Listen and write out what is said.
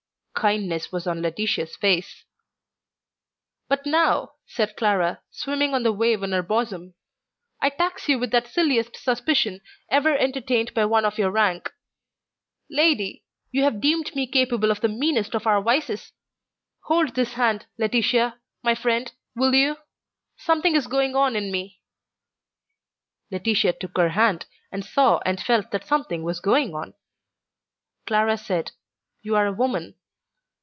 Kindness was on Laetitia's face. "But now," said Clara, swimming on the wave in her bosom, "I tax you with the silliest suspicion ever entertained by one of your rank. Lady, you have deemed me capable of the meanest of our vices! Hold this hand, Laetitia; my friend, will you? Something is going on in me." Laetitia took her hand, and saw and felt that something was going on. Clara said, "You are a woman."